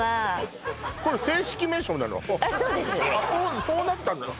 そうそうなったんだ